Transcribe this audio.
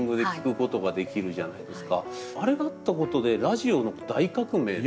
あれがあったことでラジオの大革命で。